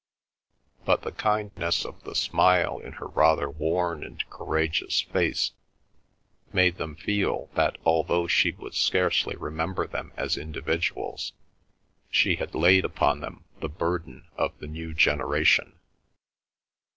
But the kindness of the smile in her rather worn and courageous face made them feel that although she would scarcely remember them as individuals, she had laid upon them the burden of the new generation.